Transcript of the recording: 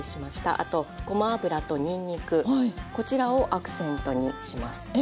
あとごま油とにんにくこちらをアクセントにします。